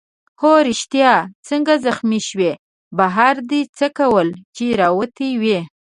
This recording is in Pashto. هو ریښتیا څنګه زخمي شوې؟ بهر دې څه کول چي راوتی وې؟